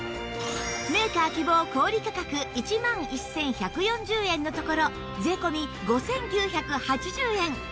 メーカー希望小売価格１万１１４０円のところ税込５９８０円